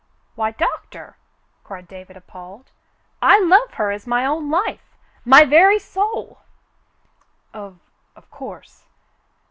"Why, Doctor!" cried David, appalled. "I love her as my own life — my very soul." "Of — of course.